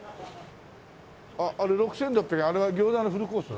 あれ６６００円は餃子のフルコース？